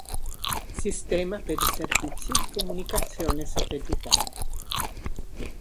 Sistema per i servizi di comunicazione satellitare.